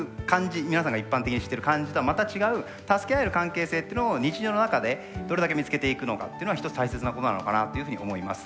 皆さんが一般的に知ってる感じとはまた違う助け合える関係性っていうのを日常の中でどれだけ見つけていくのかっていうのは一つ大切なことなのかなっていうふうに思います。